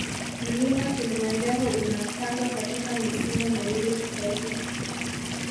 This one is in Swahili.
Mlima kilimanjaro unapandwa katika misimu miwili tofauti